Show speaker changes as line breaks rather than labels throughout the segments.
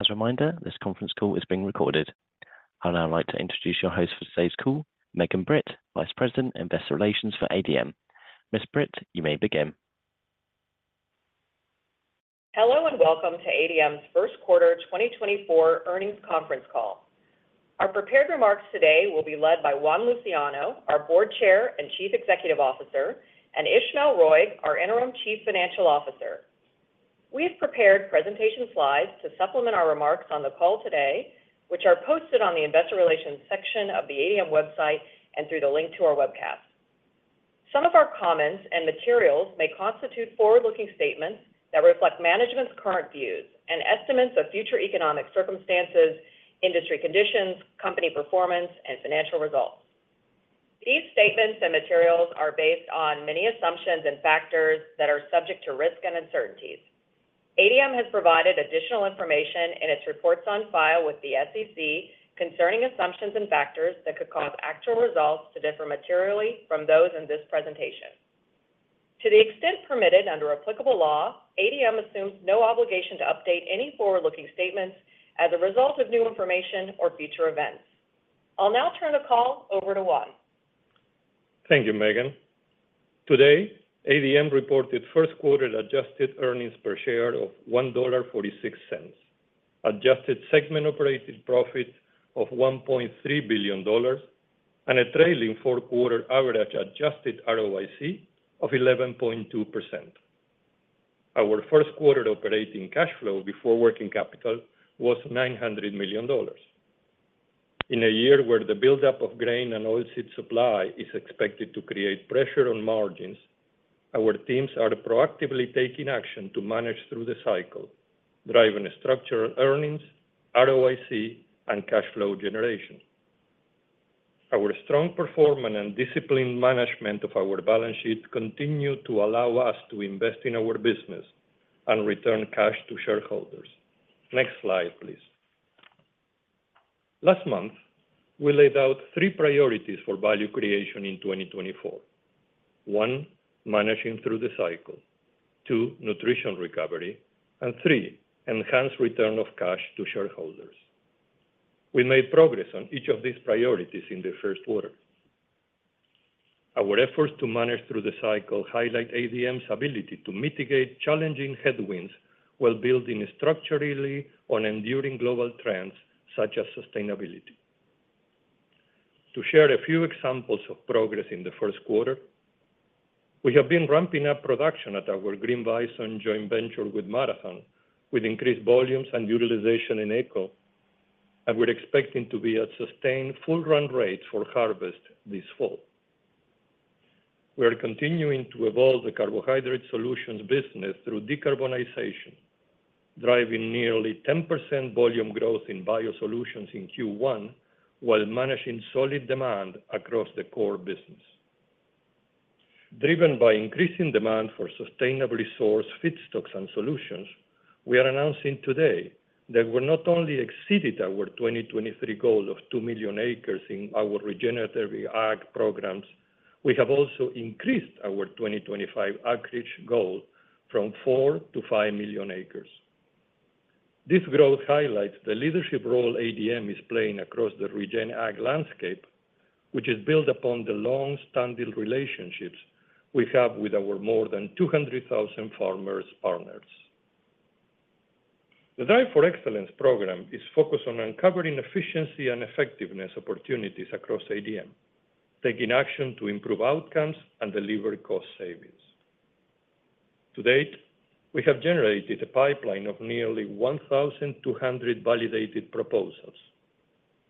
As a reminder, this conference call is being recorded. I'd now like to introduce your host for today's call, Megan Britt, Vice President, Investor Relations for ADM. Ms. Britt, you may begin.
Hello, and welcome to ADM's First Quarter 2024 Earnings Conference Call. Our prepared remarks today will be led by Juan Luciano, our Board Chair and Chief Executive Officer, and Ismael Roig, our Interim Chief Financial Officer. We have prepared presentation slides to supplement our remarks on the call today, which are posted on the Investor Relations section of the ADM website and through the link to our webcast. Some of our comments and materials may constitute forward-looking statements that reflect management's current views and estimates of future economic circumstances, industry conditions, company performance, and financial results. These statements and materials are based on many assumptions and factors that are subject to risk and uncertainties. ADM has provided additional information in its reports on file with the SEC concerning assumptions and factors that could cause actual results to differ materially from those in this presentation. To the extent permitted under applicable law, ADM assumes no obligation to update any forward-looking statements as a result of new information or future events. I'll now turn the call over to Juan.
Thank you, Megan. Today, ADM reported first quarter adjusted earnings per share of $1.46, adjusted segment operating profit of $1.3 billion, and a trailing fourth quarter average adjusted ROIC of 11.2%. Our first quarter operating cash flow before working capital was $900 million. In a year where the buildup of grain and oilseed supply is expected to create pressure on margins, our teams are proactively taking action to manage through the cycle, driving structural earnings, ROIC, and cash flow generation. Our strong performance and disciplined management of our balance sheet continue to allow us to invest in our business and return cash to shareholders. Next slide, please. Last month, we laid out 3 priorities for value creation in 2024. 1, managing through the cycle, 2, nutrition recovery, and 3, enhanced return of cash to shareholders. We made progress on each of these priorities in the first quarter. Our efforts to manage through the cycle highlight ADM's ability to mitigate challenging headwinds while building structurally on enduring global trends such as sustainability. To share a few examples of progress in the first quarter, we have been ramping up production at our Green Bison joint venture with Marathon, with increased volumes and utilization in Spiritwood, and we're expecting to be at sustained full run rates for harvest this fall. We are continuing to evolve the Carbohydrate Solutions business through decarbonization, driving nearly 10% volume growth in BioSolutions in Q1, while managing solid demand across the core business. Driven by increasing demand for sustainably sourced feedstocks and solutions, we are announcing today that we not only exceeded our 2023 goal of 2 million acres in our regenerative ag programs, we have also increased our 2025 acreage goal from 4 to 5 million acres. This growth highlights the leadership role ADM is playing across the regen ag landscape, which is built upon the long-standing relationships we have with our more than 200,000 farmer partners. The Drive for Excellence program is focused on uncovering efficiency and effectiveness opportunities across ADM, taking action to improve outcomes and deliver cost savings. To date, we have generated a pipeline of nearly 1,200 validated proposals.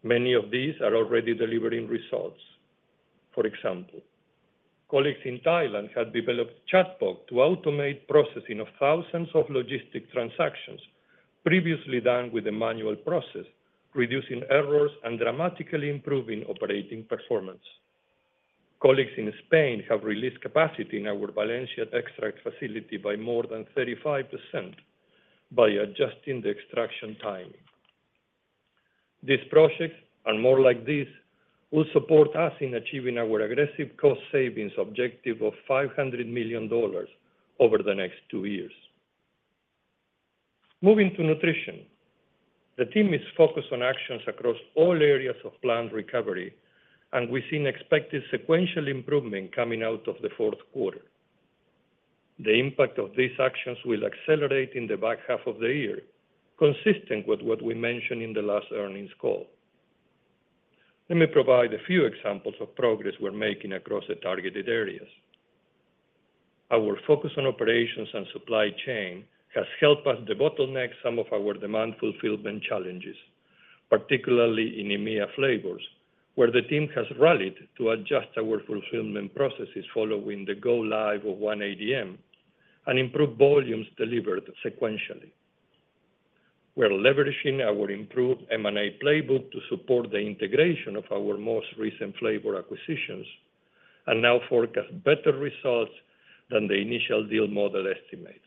Many of these are already delivering results. For example, colleagues in Thailand have developed chatbot to automate processing of thousands of logistics transactions previously done with a manual process, reducing errors and dramatically improving operating performance. Colleagues in Spain have released capacity in our Valencia extract facility by more than 35% by adjusting the extraction timing. These projects, and more like these, will support us in achieving our aggressive cost savings objective of $500 million over the next two years. Moving to nutrition, the team is focused on actions across all areas of planned recovery, and we've seen expected sequential improvement coming out of the fourth quarter. The impact of these actions will accelerate in the back half of the year, consistent with what we mentioned in the last earnings call. Let me provide a few examples of progress we're making across the targeted areas. Our focus on operations and supply chain has helped us debottleneck some of our demand fulfillment challenges, particularly in EMEA Flavors, where the team has rallied to adjust our fulfillment processes following the go-live of 1ADM and improve volumes delivered sequentially. We are leveraging our improved M&A playbook to support the integration of our most recent flavor acquisitions and now forecast better results than the initial deal model estimates.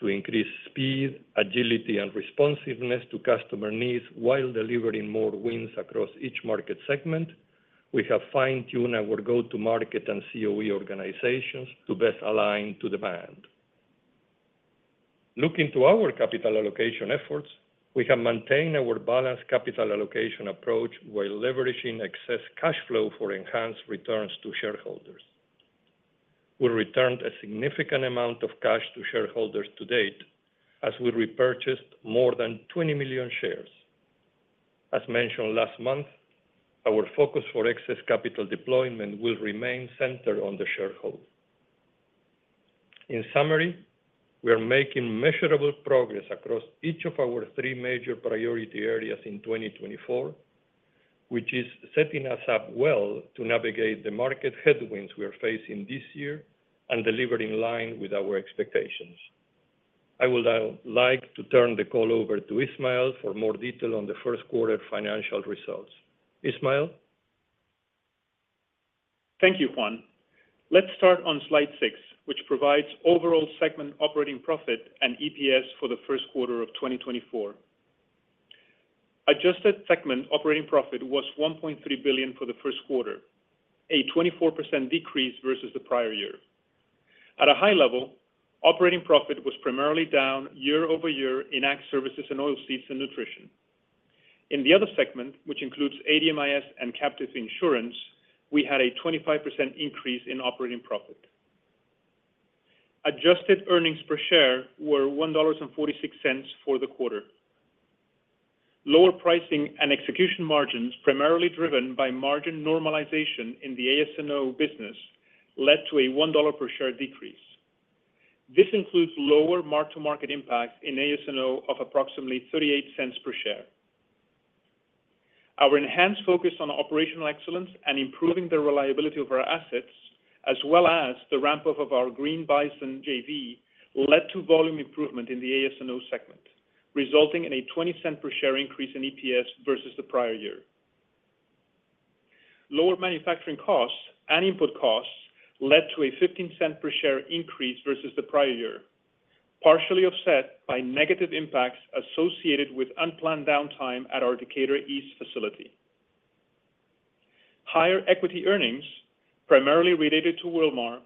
To increase speed, agility, and responsiveness to customer needs while delivering more wins across each market segment... We have fine-tuned our go-to-market and CoE organizations to best align to demand. Looking to our capital allocation efforts, we have maintained our balanced capital allocation approach while leveraging excess cash flow for enhanced returns to shareholders. We returned a significant amount of cash to shareholders to date as we repurchased more than 20 million shares. As mentioned last month, our focus for excess capital deployment will remain centered on the shareholder. In summary, we are making measurable progress across each of our three major priority areas in 2024, which is setting us up well to navigate the market headwinds we are facing this year and deliver in line with our expectations. I would now like to turn the call over to Ismael for more detail on the first quarter financial results. Ismael?
Thank you, Juan. Let's start on slide 6, which provides overall segment operating profit and EPS for the first quarter of 2024. Adjusted segment operating profit was $1.3 billion for the first quarter, a 24% decrease versus the prior year. At a high level, operating profit was primarily down year-over-year in Ag Services and Oilseeds and Nutrition. In the Other segment, which includes ADMIS and Captive Insurance, we had a 25% increase in operating profit. Adjusted earnings per share were $1.46 for the quarter. Lower pricing and execution margins, primarily driven by margin normalization in the AS&O business, led to a $1 per share decrease. This includes lower mark-to-market impact in AS&O of approximately 38 cents per share. Our enhanced focus on operational excellence and improving the reliability of our assets, as well as the ramp-up of our Green Bison JV, led to volume improvement in the AS&O segment, resulting in a $0.20 per share increase in EPS versus the prior year. Lower manufacturing costs and input costs led to a $0.15 per share increase versus the prior year, partially offset by negative impacts associated with unplanned downtime at our Decatur East facility. Higher equity earnings, primarily related to Wilmar,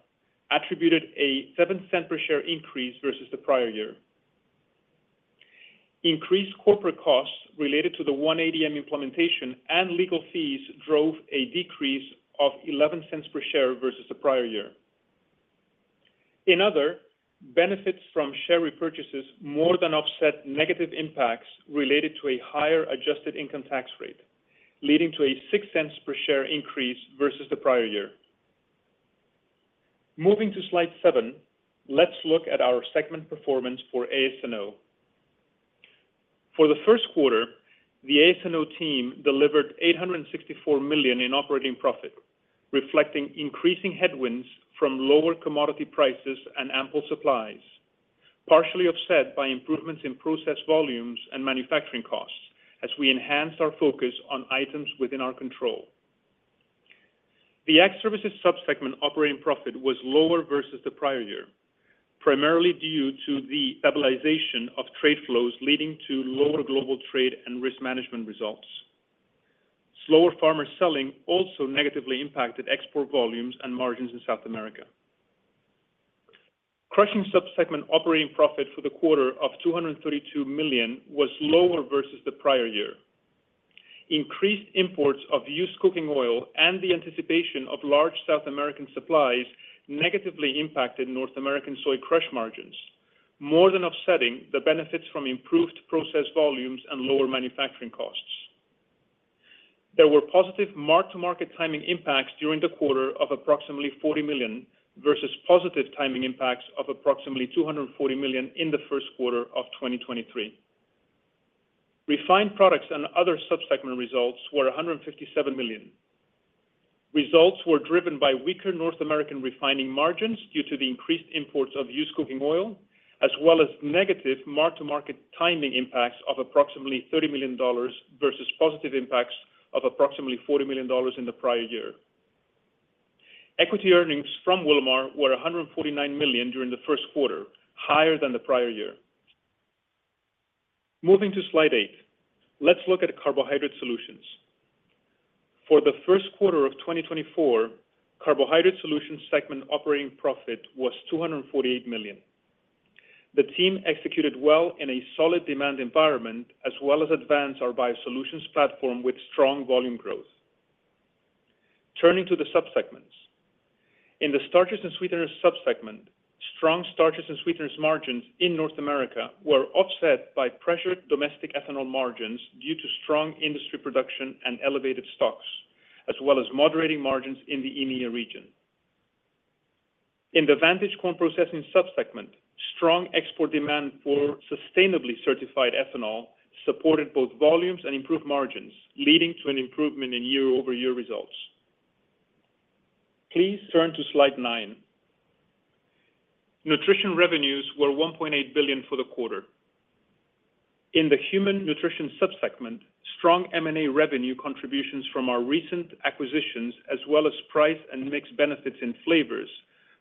attributed a $0.07 per share increase versus the prior year. Increased corporate costs related to the 1ADM implementation and legal fees drove a decrease of $0.11 per share versus the prior year. In Other, benefits from share repurchases more than offset negative impacts related to a higher adjusted income tax rate, leading to a $0.06 per share increase versus the prior year. Moving to slide 7, let's look at our segment performance for AS&O. For the first quarter, the AS&O team delivered $864 million in operating profit, reflecting increasing headwinds from lower commodity prices and ample supplies, partially offset by improvements in process volumes and manufacturing costs as we enhanced our focus on items within our control. The Ag Services sub-segment operating profit was lower versus the prior year, primarily due to the stabilization of trade flows, leading to lower global trade and risk management results. Slower farmer selling also negatively impacted export volumes and margins in South America. Crushing sub-segment operating profit for the quarter of $232 million was lower versus the prior year. Increased imports of used cooking oil and the anticipation of large South American supplies negatively impacted North American soy crush margins, more than offsetting the benefits from improved process volumes and lower manufacturing costs. There were positive mark-to-market timing impacts during the quarter of approximately $40 million versus positive timing impacts of approximately $240 million in the first quarter of 2023. Refined Products and Other sub-segment results were $157 million. Results were driven by weaker North American refining margins due to the increased imports of used cooking oil, as well as negative mark-to-market timing impacts of approximately $30 million versus positive impacts of approximately $40 million in the prior year. Equity earnings from Wilmar were $149 million during the first quarter, higher than the prior year. Moving to slide 8, let's look at Carbohydrate Solutions. For the first quarter of 2024, Carbohydrate Solutions segment operating profit was $248 million. The team executed well in a solid demand environment, as well as advanced our BioSolutions platform with strong volume growth. Turning to the sub-segments. In the Starches and Sweeteners sub-segment, strong Starches and Sweeteners margins in North America were offset by pressured domestic ethanol margins due to strong industry production and elevated stocks, as well as moderating margins in the EMEA region. In the Vantage Corn Processors sub-segment, strong export demand for sustainably certified ethanol supported both volumes and improved margins, leading to an improvement in year-over-year results. Please turn to slide 9. Nutrition revenues were $1.8 billion for the quarter. In the Human Nutrition sub-segment, strong M&A revenue contributions from our recent acquisitions, as well as price and mixed benefits in flavors-...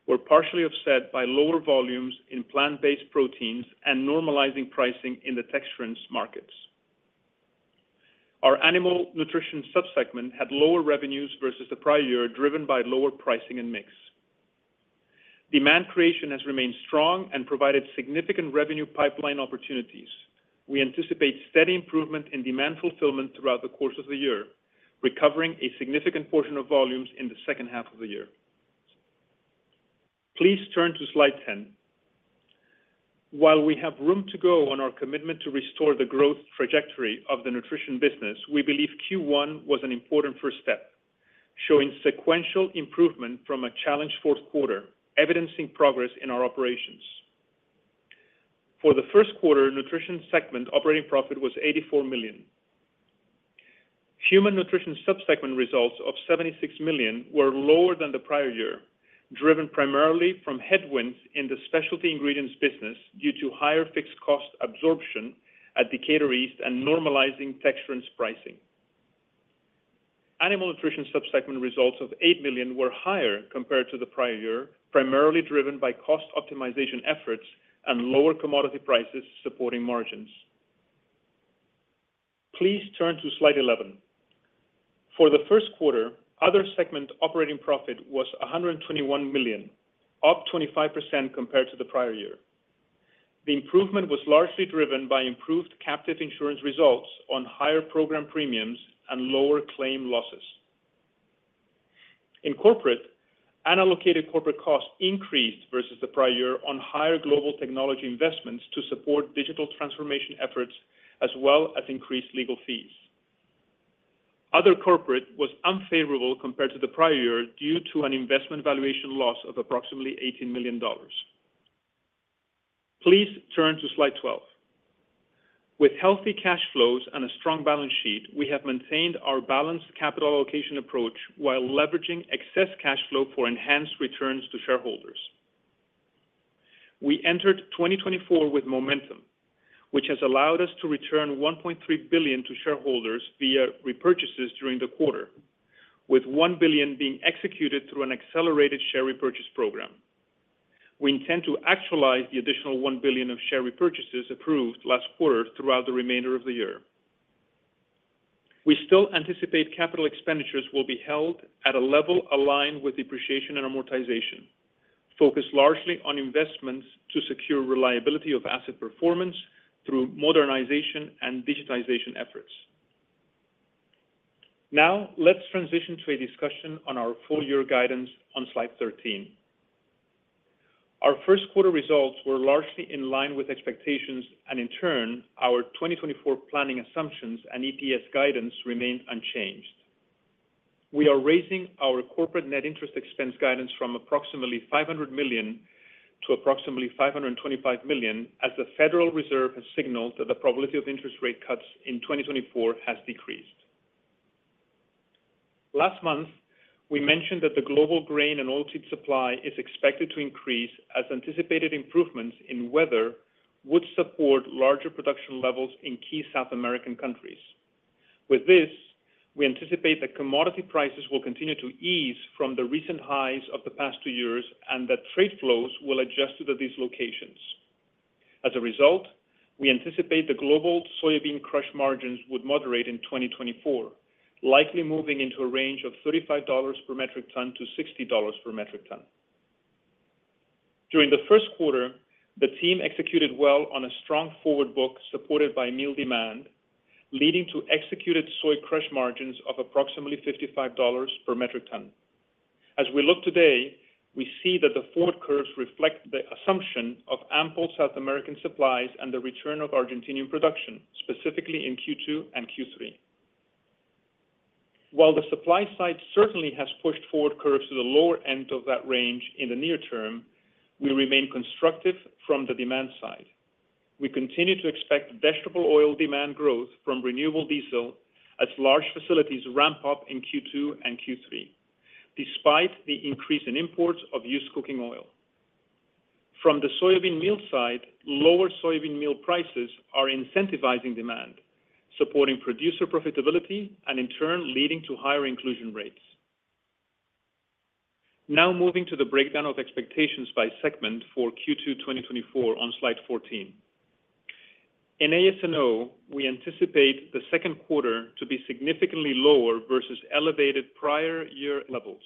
were partially offset by lower volumes in plant-based proteins and normalizing pricing in the texturants markets. Our Animal Nutrition sub-segment had lower revenues versus the prior year, driven by lower pricing and mix. Demand creation has remained strong and provided significant revenue pipeline opportunities. We anticipate steady improvement in demand fulfillment throughout the course of the year, recovering a significant portion of volumes in the second half of the year. Please turn to Slide 10. While we have room to go on our commitment to restore the growth trajectory of the nutrition business, we believe Q1 was an important first step, showing sequential improvement from a challenged fourth quarter, evidencing progress in our operations. For the first quarter, nutrition segment operating profit was $84 million. Human Nutrition sub-segment results of $76 million were lower than the prior year, driven primarily from headwinds in the Specialty Ingredients business due to higher fixed cost absorption at Decatur East and normalizing texturants pricing. Animal Nutrition sub-segment results of $8 million were higher compared to the prior year, primarily driven by cost optimization efforts and lower commodity prices supporting margins. Please turn to Slide 11. For the first quarter, other segment operating profit was $121 million, up 25% compared to the prior year. The improvement was largely driven by improved captive insurance results on higher program premiums and lower claim losses. In Corporate, unallocated corporate costs increased versus the prior year on higher global technology investments to support digital transformation efforts, as well as increased legal fees. Other Corporate was unfavorable compared to the prior year due to an investment valuation loss of approximately $18 million. Please turn to Slide 12. With healthy cash flows and a strong balance sheet, we have maintained our balanced capital allocation approach while leveraging excess cash flow for enhanced returns to shareholders. We entered 2024 with momentum, which has allowed us to return $1.3 billion to shareholders via repurchases during the quarter, with $1 billion being executed through an accelerated share repurchase program. We intend to actualize the additional $1 billion of share repurchases approved last quarter throughout the remainder of the year. We still anticipate capital expenditures will be held at a level aligned with depreciation and amortization, focused largely on investments to secure reliability of asset performance through modernization and digitization efforts. Now, let's transition to a discussion on our full-year guidance on Slide 13. Our first quarter results were largely in line with expectations, and in turn, our 2024 planning assumptions and EPS guidance remained unchanged. We are raising our corporate net interest expense guidance from approximately $500 million to approximately $525 million, as the Federal Reserve has signaled that the probability of interest rate cuts in 2024 has decreased. Last month, we mentioned that the global grain and oilseed supply is expected to increase as anticipated improvements in weather would support larger production levels in key South American countries. With this, we anticipate that commodity prices will continue to ease from the recent highs of the past two years and that trade flows will adjust to these locations. As a result, we anticipate the global soybean crush margins would moderate in 2024, likely moving into a range of $35-$60 per metric ton. During the first quarter, the team executed well on a strong forward book, supported by meal demand, leading to executed soy crush margins of approximately $55 per metric ton. As we look today, we see that the forward curves reflect the assumption of ample South American supplies and the return of Argentine production, specifically in Q2 and Q3. While the supply side certainly has pushed forward curves to the lower end of that range in the near term, we remain constructive from the demand side. We continue to expect vegetable oil demand growth from renewable diesel as large facilities ramp up in Q2 and Q3, despite the increase in imports of used cooking oil. From the soybean meal side, lower soybean meal prices are incentivizing demand, supporting producer profitability, and in turn, leading to higher inclusion rates. Now moving to the breakdown of expectations by segment for Q2 2024 on Slide 14. In AS&O, we anticipate the second quarter to be significantly lower versus elevated prior year levels.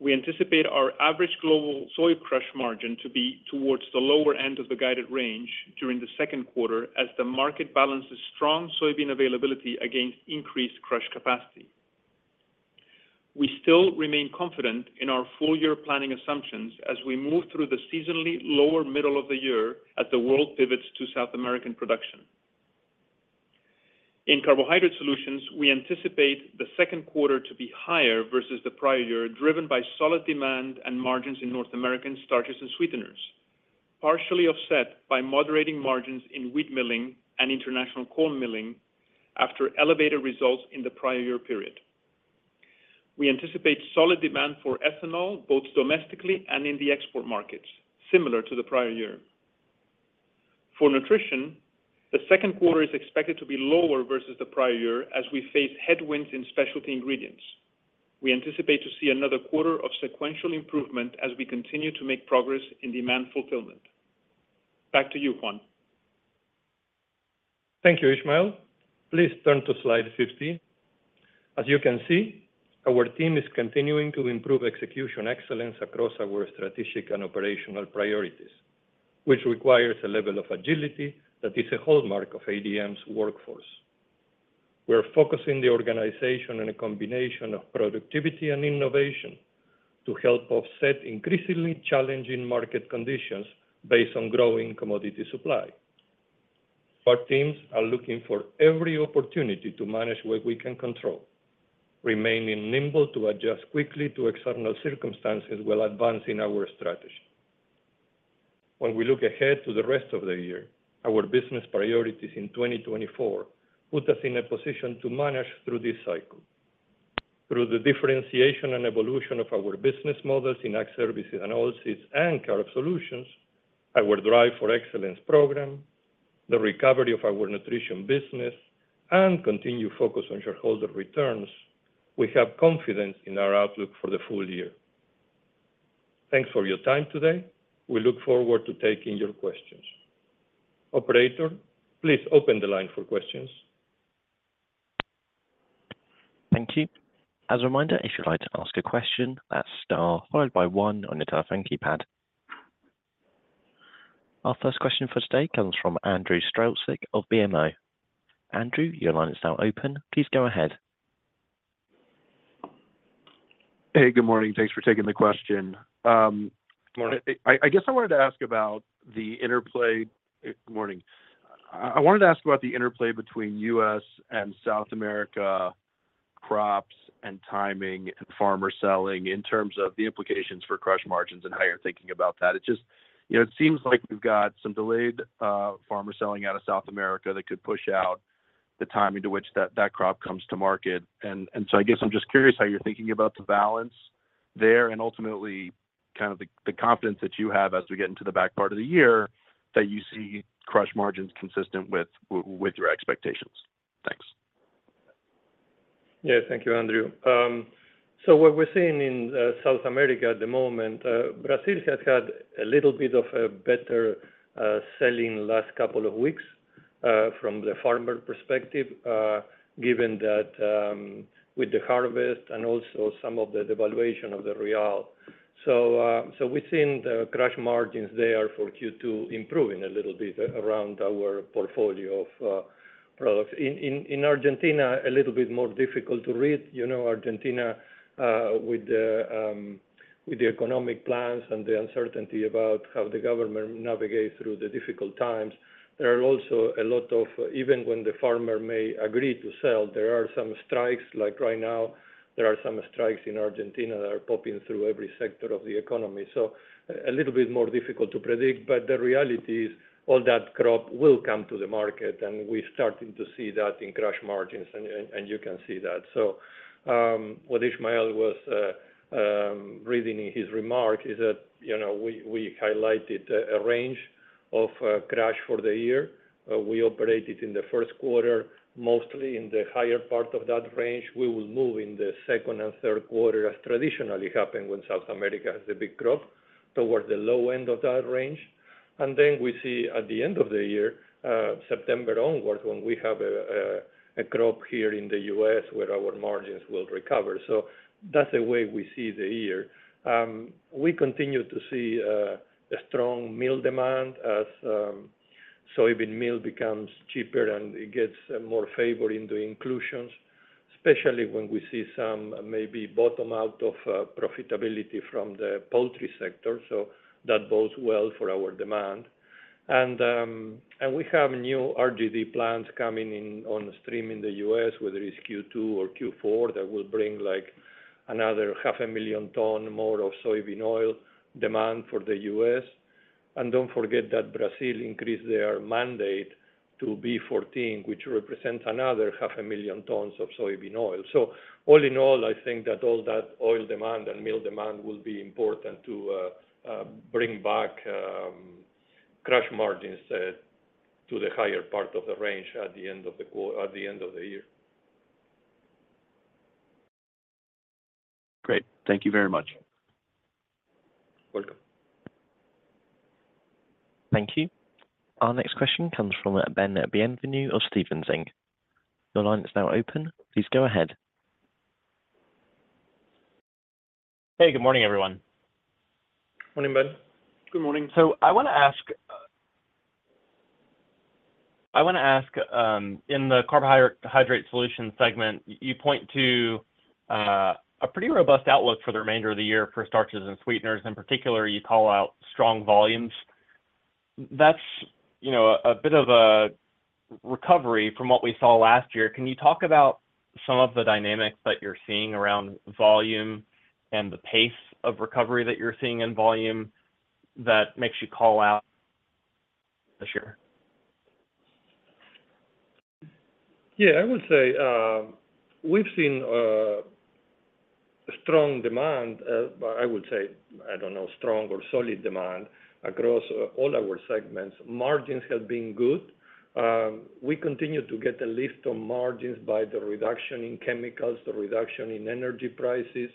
We anticipate our average global soy crush margin to be towards the lower end of the guided range during the second quarter as the market balances strong soybean availability against increased crush capacity. We still remain confident in our full-year planning assumptions as we move through the seasonally lower middle of the year as the world pivots to South American production. In Carbohydrate Solutions, we anticipate the second quarter to be higher versus the prior year, driven by solid demand and margins in North American Starches and Sweeteners, partially offset by moderating margins in wheat milling and international corn milling after elevated results in the prior year period. We anticipate solid demand for ethanol, both domestically and in the export markets, similar to the prior year.
...For nutrition, the second quarter is expected to be lower versus the prior year as we face headwinds in Specialty Ingredients. We anticipate to see another quarter of sequential improvement as we continue to make progress in demand fulfillment. Back to you, Juan.
Thank you, Ismael. Please turn to slide 15. As you can see, our team is continuing to improve execution excellence across our strategic and operational priorities, which requires a level of agility that is a hallmark of ADM's workforce. We're focusing the organization on a combination of productivity and innovation to help offset increasingly challenging market conditions based on growing commodity supply. Our teams are looking for every opportunity to manage what we can control, remaining nimble to adjust quickly to external circumstances while advancing our strategy. When we look ahead to the rest of the year, our business priorities in 2024 put us in a position to manage through this cycle. Through the differentiation and evolution of our business models in Ag Services and Oilseeds and Carb Solutions, our Drive for Excellence program, the recovery of our nutrition business, and continued focus on shareholder returns, we have confidence in our outlook for the full year. Thanks for your time today. We look forward to taking your questions. Operator, please open the line for questions.
Thank you. As a reminder, if you'd like to ask a question, that's star followed by one on your telephone keypad. Our first question for today comes from Andrew Strelzik of BMO. Andrew, your line is now open. Please go ahead.
Hey, good morning. Thanks for taking the question.
Good morning.
Good morning. I wanted to ask about the interplay between U.S. and South America crops and timing and farmer selling in terms of the implications for crush margins and how you're thinking about that. It just, you know, it seems like we've got some delayed farmer selling out of South America that could push out the timing to which that crop comes to market. And so I guess I'm just curious how you're thinking about the balance there and ultimately, kind of the confidence that you have as we get into the back part of the year, that you see crush margins consistent with your expectations. Thanks.
Yeah, thank you, Andrew. So what we're seeing in South America at the moment, Brazil has had a little bit of a better selling last couple of weeks, from the farmer perspective, given that, with the harvest and also some of the devaluation of the real. So, we've seen the crush margins there for Q2 improving a little bit around our portfolio of products. In Argentina, a little bit more difficult to read. You know, Argentina, with the economic plans and the uncertainty about how the government navigates through the difficult times. There are also a lot of... Even when the farmer may agree to sell, there are some strikes. Like right now, there are some strikes in Argentina that are popping through every sector of the economy. So a little bit more difficult to predict, but the reality is, all that crop will come to the market, and we're starting to see that in crush margins, and you can see that. So, what Ismael was reading in his remark is that, you know, we highlighted a range of crush for the year. We operated in the first quarter, mostly in the higher part of that range. We will move in the second and third quarter, as traditionally happened when South America has a big crop, towards the low end of that range. And then we see at the end of the year, September onwards, when we have a crop here in the U.S., where our margins will recover. So that's the way we see the year. We continue to see a strong meal demand as soybean meal becomes cheaper and it gets more favor into inclusions, especially when we see some maybe bottom out of profitability from the poultry sector, so that bodes well for our demand. And we have new RD plants coming in on stream in the U.S., whether it's Q2 or Q4, that will bring, like, another 500,000 tons more of soybean oil demand for the U.S. And don't forget that Brazil increased their mandate to B14, which represents another 500,000 tons of soybean oil. So all in all, I think that all that oil demand and meal demand will be important to bring back crush margins to the higher part of the range at the end of the year.
Great. Thank you very much.
Welcome.
Thank you. Our next question comes from Ben Bienvenu of Stephens Inc. Your line is now open. Please go ahead.
Hey, good morning, everyone.
Morning, Ben.
Good morning.
So I wanna ask, in the Carbohydrate Solutions segment, you point to a pretty robust outlook for the remainder of the year for Starches and Sweeteners. In particular, you call out strong volumes. That's, you know, a bit of a recovery from what we saw last year. Can you talk about some of the dynamics that you're seeing around volume and the pace of recovery that you're seeing in volume that makes you call out this year?...
Yeah, I would say we've seen strong demand, but I would say, I don't know, strong or solid demand across all our segments. Margins have been good. We continue to get a lift on margins by the reduction in chemicals, the reduction in energy prices,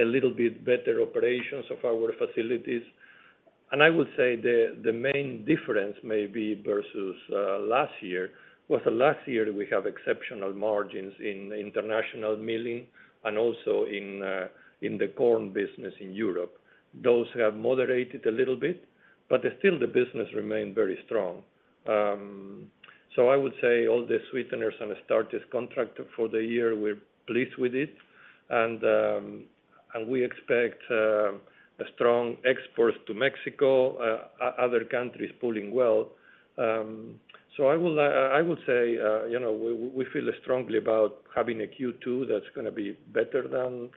a little bit better operations of our facilities. And I would say the main difference may be versus last year, was that last year we have exceptional margins in international milling and also in the corn business in Europe. Those have moderated a little bit, but still the business remain very strong. So I would say all the sweeteners and starches contract for the year, we're pleased with it, and we expect a strong exports to Mexico, other countries pulling well. So I will, I would say, you know, we, we feel strongly about having a Q2 that's gonna be better than,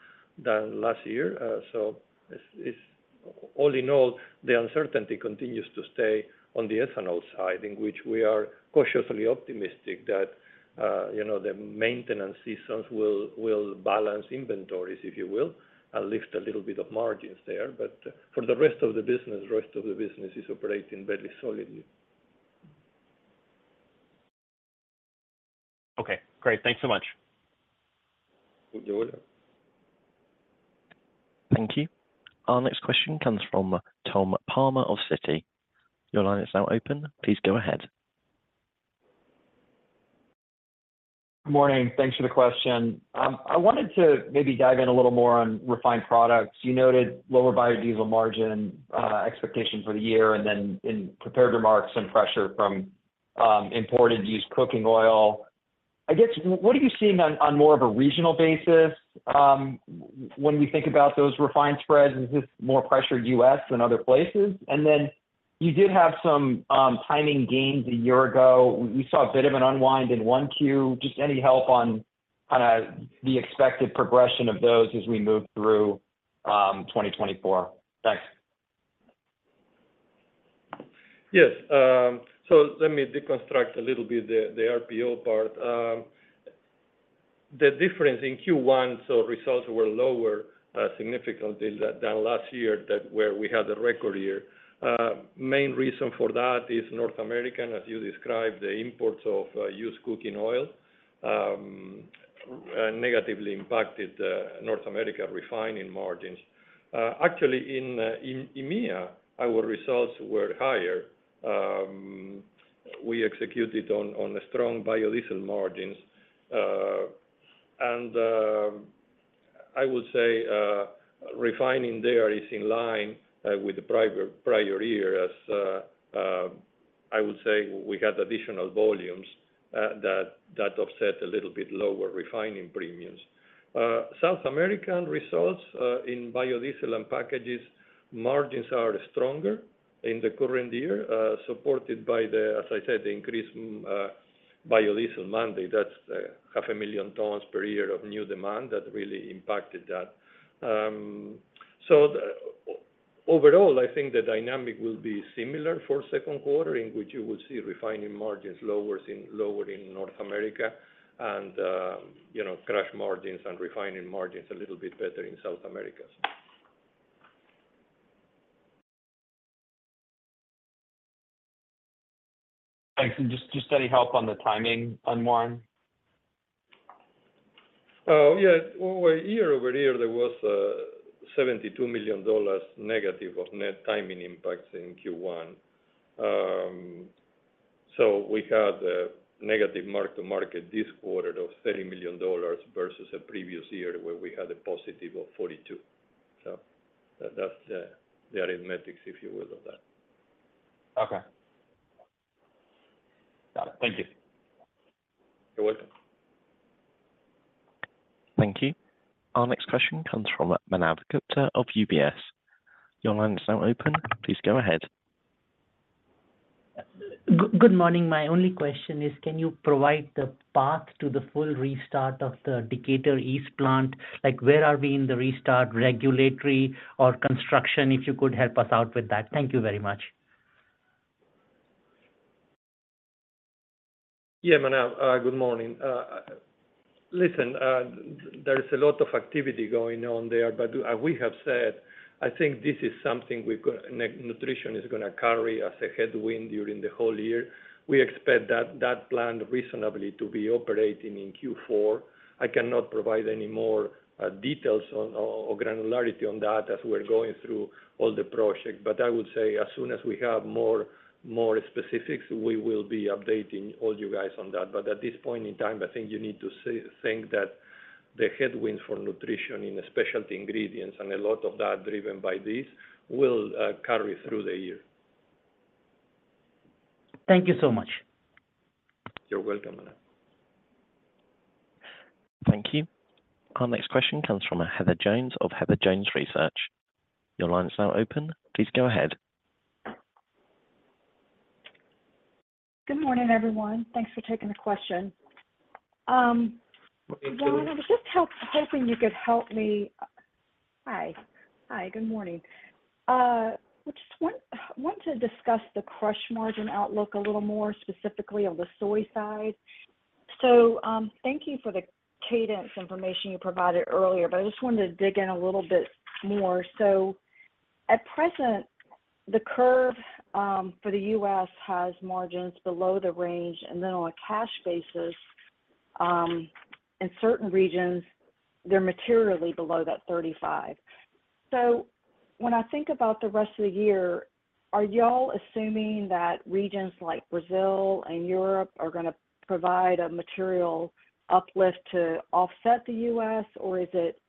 than last year. So it's, it's all in all, the uncertainty continues to stay on the ethanol side, in which we are cautiously optimistic that, you know, the maintenance seasons will, will balance inventories, if you will, and lift a little bit of margins there. But for the rest of the business, rest of the business is operating very solidly.
Okay, great. Thanks so much.
You're welcome.
Thank you. Our next question comes from Tom Palmer of Citi. Your line is now open. Please go ahead.
Good morning. Thanks for the question. I wanted to maybe dive in a little more on refined products. You noted lower biodiesel margin expectation for the year, and then in prepared remarks, some pressure from imported used cooking oil. I guess, what are you seeing on more of a regional basis when we think about those refined spreads, is this more pressured U.S. than other places? And then you did have some timing gains a year ago. We saw a bit of an unwind in 1Q. Just any help on kinda the expected progression of those as we move through 2024? Thanks.
Yes, so let me deconstruct a little bit the, the RPO part. The difference in Q1, so results were lower significantly than last year, that where we had a record year. Main reason for that is North America, as you described, the imports of used cooking oil negatively impacted North America refining margins. Actually, in EMEA, our results were higher. We executed on strong biodiesel margins. And I would say refining there is in line with the prior year as I would say we had additional volumes that offset a little bit lower refining premiums. South American results in biodiesel and packaged margins are stronger in the current year, supported by the, as I said, the increased biodiesel mandate. That's half a million tons per year of new demand that really impacted that. So overall, I think the dynamic will be similar for second quarter, in which you will see refining margins lower in North America and, you know, crush margins and refining margins a little bit better in South America.
Thanks. And just any help on the timing unwind?
Yeah. Well, year-over-year, there was $72 million negative of net timing impacts in Q1. So we had a negative mark-to-market this quarter of $30 million versus the previous year, where we had a positive of $42 million. So that's the, the arithmetics, if you will, of that.
Okay. Got it. Thank you.
You're welcome.
Thank you. Our next question comes from Manav Gupta of UBS. Your line is now open. Please go ahead.
Good morning. My only question is, can you provide the path to the full restart of the Decatur East plant? Like, where are we in the restart, regulatory or construction, if you could help us out with that? Thank you very much.
Yeah, Manav, good morning. Listen, there is a lot of activity going on there, but as we have said, I think this is something we've got... Nutrition is gonna carry as a headwind during the whole year. We expect that plant reasonably to be operating in Q4. I cannot provide any more details on or granularity on that as we're going through all the project. But I would say, as soon as we have more specifics, we will be updating all you guys on that. But at this point in time, I think you need to think that the headwinds for nutrition in the Specialty Ingredients, and a lot of that driven by this, will carry through the year.
Thank you so much.
You're welcome, Manav.
Thank you. Our next question comes from Heather Jones of Heather Jones Research. Your line is now open. Please go ahead.
Good morning, everyone. Thanks for taking the question. Well, I was just hoping you could help me. Hi. Hi, good morning. I just want to discuss the crush margin outlook a little more specifically on the soy side. So, thank you for the cadence information you provided earlier, but I just wanted to dig in a little bit more. So at present, the curve for the U.S. has margins below the range, and then on a cash basis, in certain regions, they're materially below that $35. So when I think about the rest of the year, are y'all assuming that regions like Brazil and Europe are gonna provide a material uplift to offset the U.S.? Or is it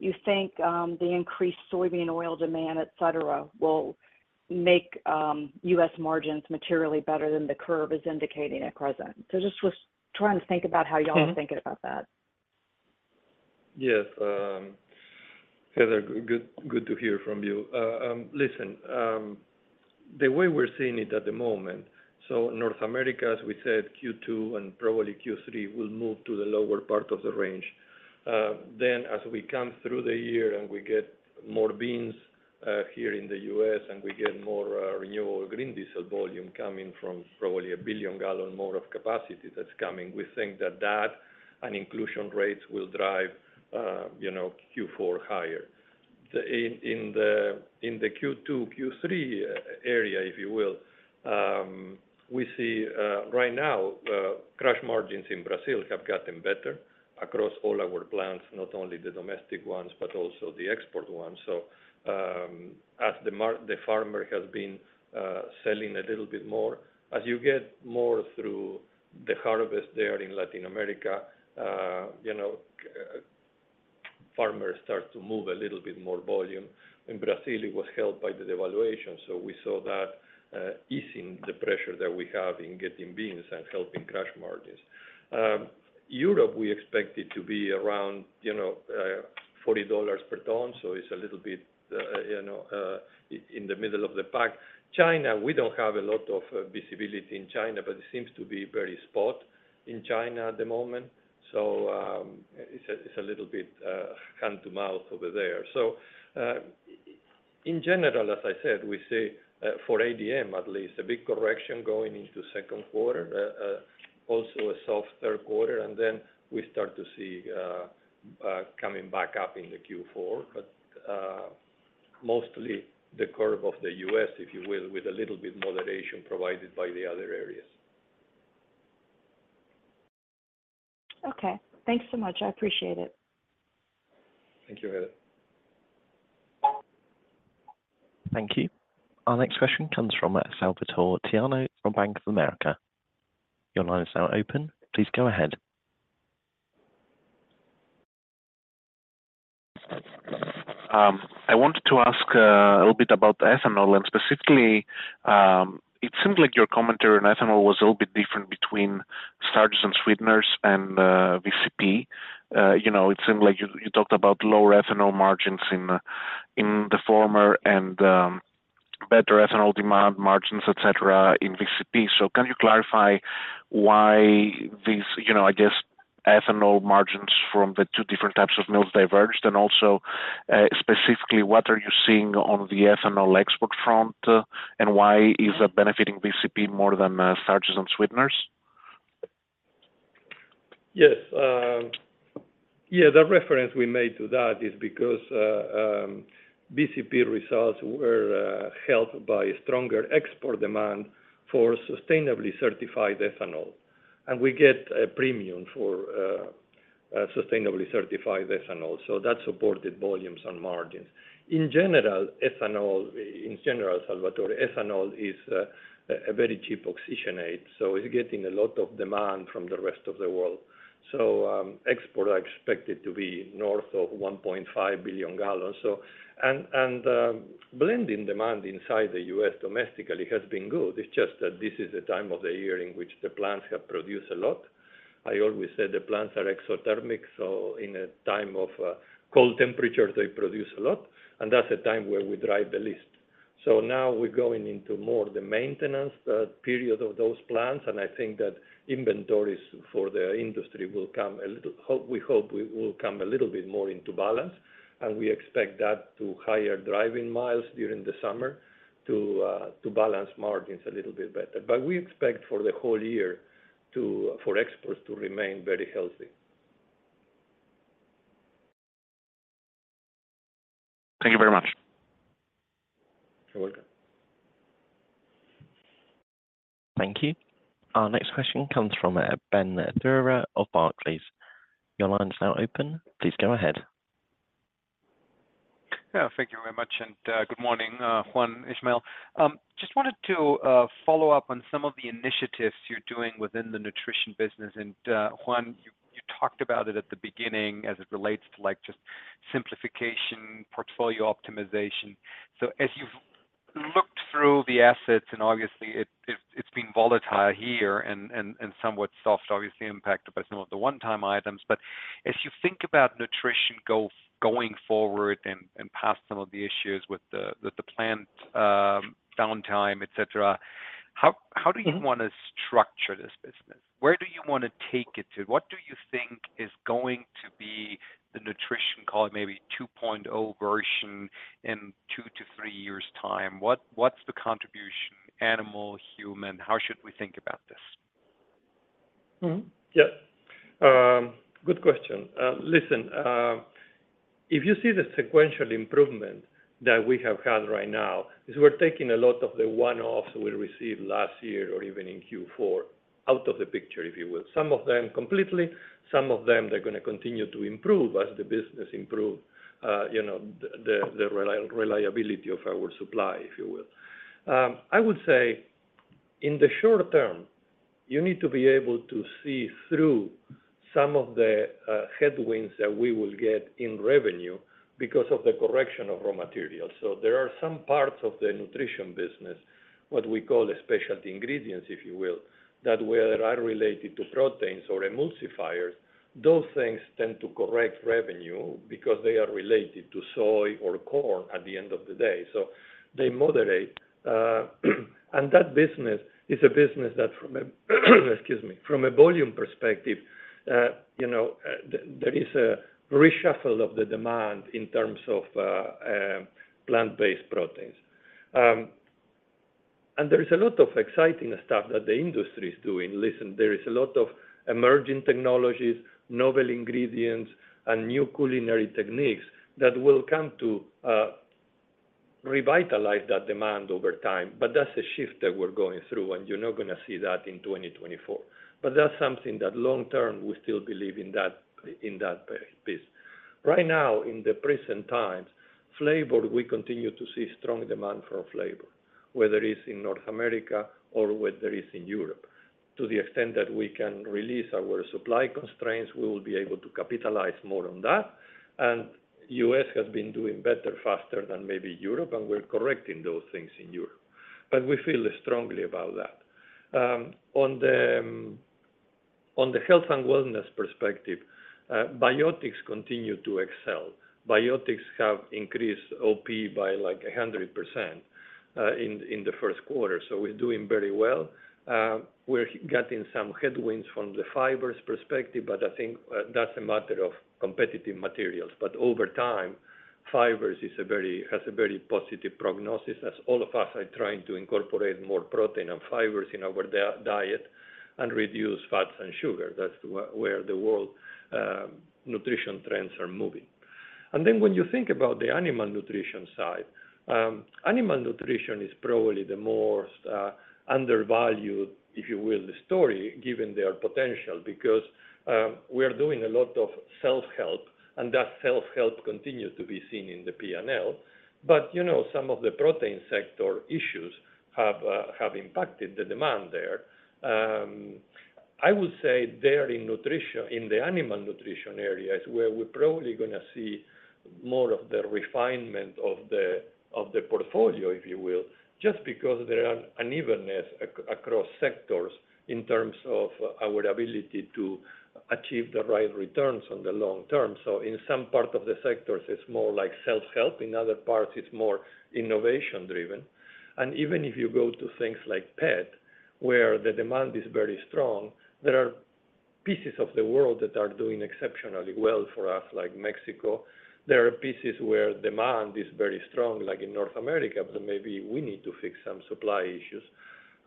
you think, the increased soybean oil demand, et cetera, will make U.S. margins materially better than the curve is indicating at present? So just was trying to think about how y'all-
Okay.
-are thinking about that.
Yes, Heather, good to hear from you. Listen, the way we're seeing it at the moment, so North America, as we said, Q2 and probably Q3, will move to the lower part of the range. Then as we come through the year and we get more beans here in the U.S., and we get more renewable green diesel volume coming from probably 1 billion gallon more of capacity that's coming, we think that that and inclusion rates will drive, you know, Q4 higher. In the Q2, Q3 area, if you will, we see right now crush margins in Brazil have gotten better across all our plants, not only the domestic ones, but also the export ones. So, as the farmer has been selling a little bit more, as you get more through the harvest there in Latin America, you know, farmers start to move a little bit more volume. In Brazil, it was helped by the devaluation, so we saw that easing the pressure that we have in getting beans and helping crush margins. Europe, we expect it to be around, you know, $40 per ton, so it's a little bit, you know, in the middle of the pack. China, we don't have a lot of visibility in China, but it seems to be very spot in China at the moment, so, it's a, it's a little bit hand-to-mouth over there. So, in general, as I said, we see, for ADM at least, a big correction going into second quarter, also a soft third quarter, and then we start to see, coming back up in the Q4. But, mostly the curve of the U.S., if you will, with a little bit moderation provided by the other areas.
Okay, thanks so much. I appreciate it.
Thank you, Heather.
Thank you. Our next question comes from Salvatore Tiano from Bank of America. Your line is now open. Please go ahead.
I wanted to ask a little bit about ethanol, and specifically, it seemed like your commentary on ethanol was a little bit different between Starches and Sweeteners and VCP. You know, it seemed like you, you talked about lower ethanol margins in the former and better ethanol demand margins, et cetera, in VCP. So can you clarify why these, you know, I guess, ethanol margins from the two different types of mills diverged? And also, specifically, what are you seeing on the ethanol export front, and why is that benefiting VCP more than Starches and Sweeteners?
Yes. Yeah, the reference we made to that is because VCP results were helped by stronger export demand for sustainably certified ethanol, and we get a premium for sustainably certified ethanol, so that supported volumes and margins. In general, ethanol, in general, Salvatore, ethanol is a very cheap oxygenate, so it's getting a lot of demand from the rest of the world. So, export are expected to be north of 1.5 billion gallons, so... And blending demand inside the U.S. domestically has been good. It's just that this is the time of the year in which the plants have produced a lot. I always say the plants are exothermic, so in a time of cold temperatures, they produce a lot, and that's a time where we drive the least. So now we're going into more the maintenance period of those plants, and I think that inventories for the industry will come a little... we hope we will come a little bit more into balance, and we expect that to higher driving miles during the summer to balance margins a little bit better. But we expect for the whole year for exports to remain very healthy.
Thank you very much.
You're welcome.
Thank you. Our next question comes from Ben Theurer of Barclays. Your line is now open. Please go ahead.
Yeah, thank you very much, and good morning, Juan, Ismael. Just wanted to follow up on some of the initiatives you're doing within the nutrition business. And, Juan, you talked about it at the beginning as it relates to, like, just simplification, portfolio optimization. So as you've looked through the assets, and obviously it, it's been volatile here and somewhat soft, obviously impacted by some of the one-time items. But as you think about nutrition going forward and past some of the issues with the plant, downtime, et cetera, how do you want to structure this business? Where do you want to take it to? What do you think is going to be the nutrition, call it maybe 2.0 version in 2-3 years time? What, what's the contribution, animal, human, how should we think about this?
Mm-hmm. Yeah, good question. Listen, if you see the sequential improvement that we have had right now, is we're taking a lot of the one-offs we received last year or even in Q4 out of the picture, if you will. Some of them completely, some of them they're gonna continue to improve as the business improve, you know, the reliability of our supply, if you will. I would say in the short term, you need to be able to see through some of the headwinds that we will get in revenue because of the correction of raw materials. So there are some parts of the nutrition business, what we call the Specialty Ingredients, if you will, that where are related to proteins or emulsifiers. Those things tend to correct revenue because they are related to soy or corn at the end of the day, so they moderate. And that business is a business that, excuse me, from a volume perspective, you know, there is a reshuffle of the demand in terms of plant-based proteins. And there is a lot of exciting stuff that the industry is doing. Listen, there is a lot of emerging technologies, novel ingredients, and new culinary techniques that will come to revitalize that demand over time, but that's a shift that we're going through, and you're not gonna see that in 2024. But that's something that long term, we still believe in that piece. Right now, in the present times, flavor, we continue to see strong demand for flavor, whether it's in North America or whether it's in Europe. To the extent that we can release our supply constraints, we will be able to capitalize more on that. And U.S. has been doing better, faster than maybe Europe, and we're correcting those things in Europe, but we feel strongly about that. On the Health & Wellness perspective, Biotics continue to excel. Biotics have increased OP by, like, 100%, in the first quarter, so we're doing very well. We're getting some headwinds from the fibers perspective, but I think, that's a matter of competitive materials. But over time, fibers has a very positive prognosis, as all of us are trying to incorporate more protein and fibers in our diet and reduce fats and sugar. That's where the world nutrition trends are moving. And then when you think about the animal nutrition side, animal nutrition is probably the most undervalued, if you will, the story, given their potential, because we are doing a lot of self-help, and that self-help continues to be seen in the P&L. But you know, some of the protein sector issues have impacted the demand there. I would say there in nutrition, in the animal nutrition area, is where we're probably gonna see more of the refinement of the, of the portfolio, if you will, just because there are unevenness across sectors in terms of our ability to achieve the right returns on the long term. So in some part of the sectors, it's more like self-help. In other parts, it's more innovation driven. And even if you go to things like pet, where the demand is very strong, there are pieces of the world that are doing exceptionally well for us, like Mexico. There are pieces where demand is very strong, like in North America, but maybe we need to fix some supply issues.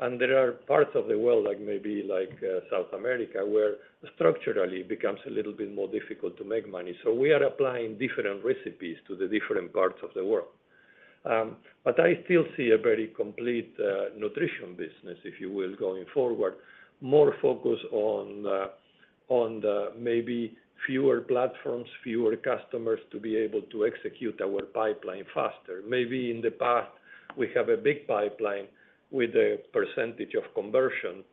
And there are parts of the world, like maybe, like, South America, where structurally it becomes a little bit more difficult to make money. We are applying different recipes to the different parts of the world. But I still see a very complete nutrition business, if you will, going forward, more focused on the maybe fewer platforms, fewer customers to be able to execute our pipeline faster. Maybe in the past, we have a big pipeline with a percentage of conversion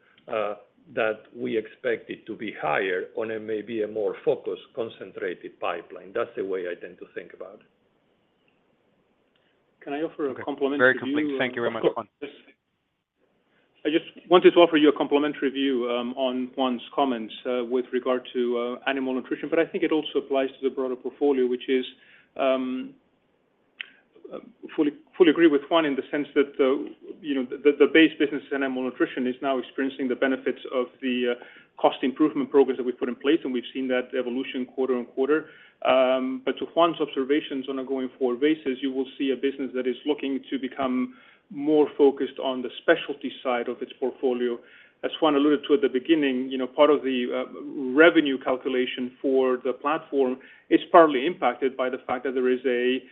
that we expect it to be higher on a maybe more focused, concentrated pipeline. That's the way I tend to think about it.
Can I offer a complimentary view?
Very complete. Thank you very much, Juan.
I just wanted to offer you a complimentary view, on Juan's comments, with regard to, animal nutrition, but I think it also applies to the broader portfolio, which is, fully, fully agree with Juan in the sense that, you know, the, the base business in animal nutrition is now experiencing the benefits of the, cost improvement programs that we put in place, and we've seen that evolution quarter-over-quarter. But to Juan's observations on a going-forward basis, you will see a business that is looking to become more focused on the specialty side of its portfolio. As Juan alluded to at the beginning, you know, part of the, revenue calculation for the platform is partly impacted by the fact that there is a,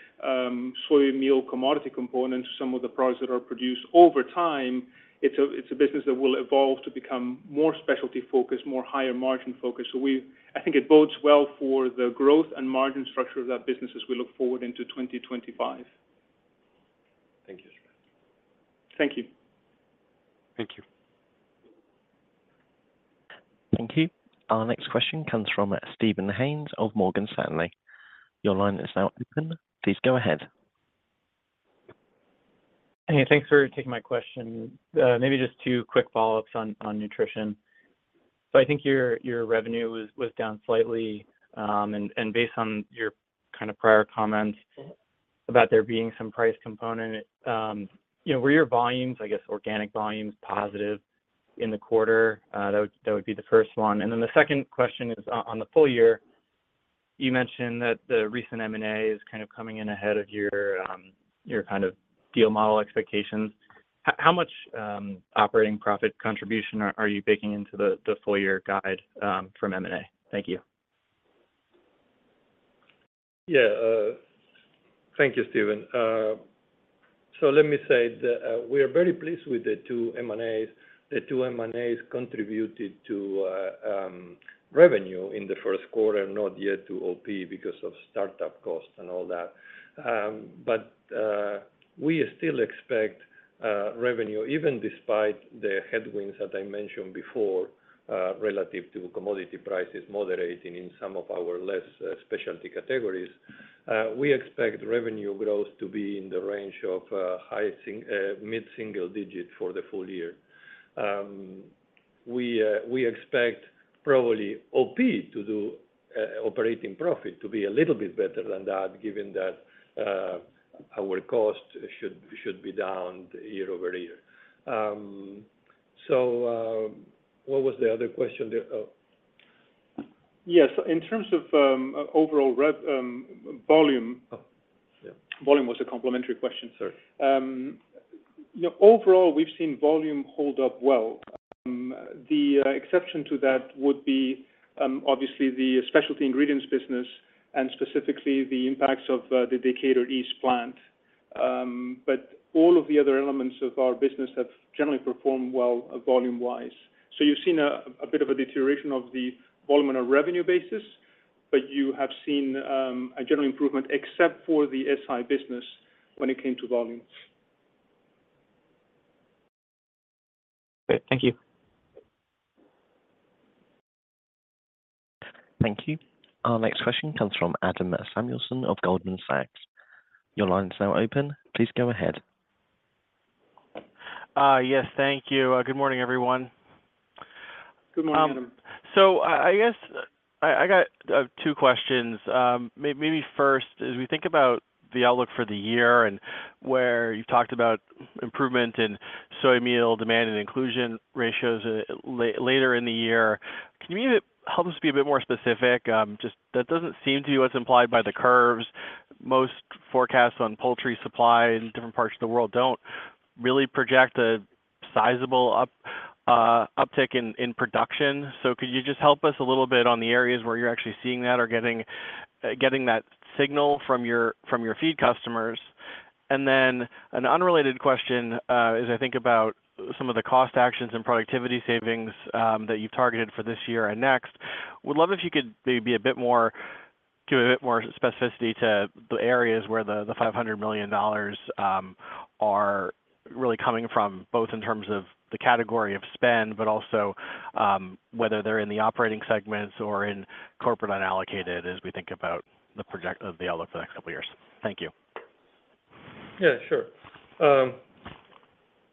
soy meal commodity component to some of the products that are produced over time. It's a, it's a business that will evolve to become more specialty focused, more higher margin focused. So we, I think it bodes well for the growth and margin structure of that business as we look forward into 2025.
Thank you.
Thank you.
Thank you.
Thank you. Our next question comes from Steven Haynes of Morgan Stanley. Your line is now open. Please go ahead.
Hey, thanks for taking my question. Maybe just two quick follow-ups on nutrition. So I think your revenue was down slightly. And based on your kind of prior comments about there being some price component, you know, were your volumes, I guess, organic volumes, positive in the quarter? That would be the first one. And then the second question is on the full year, you mentioned that the recent M&A is kind of coming in ahead of your kind of deal model expectations. How much operating profit contribution are you baking into the full year guide from M&A? Thank you.
Yeah, thank you, Steven. So let me say that we are very pleased with the two M&As. The two M&As contributed to revenue in the first quarter, not yet to OP, because of startup costs and all that. But we still expect revenue, even despite the headwinds that I mentioned before, relative to commodity prices moderating in some of our less specialty categories. We expect revenue growth to be in the range of mid-single digit for the full year. We expect probably OP to do operating profit, to be a little bit better than that, given that our costs should be down year-over-year. So, what was the other question there? Oh.
Yes, in terms of overall volume-
Oh, yeah.
Volume was a complimentary question.
Sorry.
You know, overall, we've seen volume hold up well. The exception to that would be, obviously, the Specialty Ingredients business, and specifically, the impacts of, the Decatur East plant. But all of the other elements of our business have generally performed well, volume-wise. So you've seen a bit of a deterioration of the volume on a revenue basis, but you have seen a general improvement, except for the SI business when it came to volumes.
Great. Thank you.
Thank you. Our next question comes from Adam Samuelson of Goldman Sachs. Your line is now open. Please go ahead.
Yes, thank you. Good morning, everyone.
Good morning, Adam.
So I guess I got two questions. Maybe first, as we think about the outlook for the year and where you've talked about improvement in soy meal demand and inclusion ratios later in the year, can you help us be a bit more specific? Just that doesn't seem to what's implied by the curves. Most forecasts on poultry supply in different parts of the world don't really project a sizable uptick in production. So could you just help us a little bit on the areas where you're actually seeing that or getting that signal from your feed customers? An unrelated question, as I think about some of the cost actions and productivity savings that you've targeted for this year and next, would love if you could maybe give a bit more specificity to the areas where the $500 million are really coming from, both in terms of the category of spend, but also whether they're in the operating segments or in corporate unallocated, as we think about the outlook for the next couple of years? Thank you.
Yeah, sure.